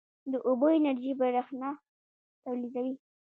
د اوبو انرژي برښنا تولیدوي